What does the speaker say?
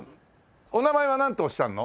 お名前はなんておっしゃるの？